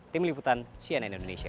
tim liputan siena indonesia